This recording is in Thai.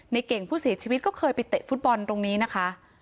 เก่งผู้เสียชีวิตก็เคยไปเตะฟุตบอลตรงนี้นะคะ